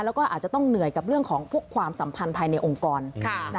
แล้วก็อาจจะต้องเหนื่อยกับเรื่องของพวกความสัมพันธ์ภายในองค์กร